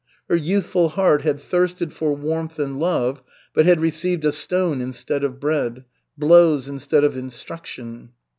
Her youthful heart had thirsted for warmth and love, but had received a stone instead of bread, blows instead of instruction.